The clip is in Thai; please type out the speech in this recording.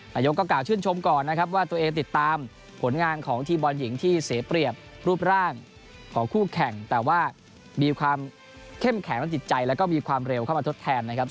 นายกก็กล่าชื่นชมก่อนนะครับว่าตัวเองติดตามผลงานของทีมบอลหญิงที่เสียเปรียบรูปร่างของคู่แข่งแต่ว่ามีความเข้มแข็งและจิตใจแล้วก็มีความเร็วเข้ามาทดแทนนะครับ